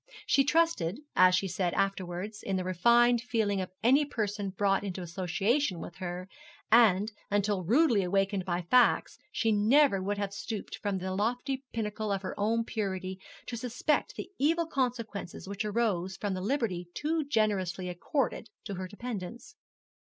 She trusted, as she said afterwards, in the refined feeling of any person brought into association with her, and, until rudely awakened by facts, she never would have stooped from the lofty pinnacle of her own purity to suspect the evil consequences which arose from the liberty too generously accorded to her dependents.